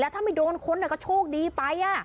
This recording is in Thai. ถ้าไม่โดนคนก็โชคดีไป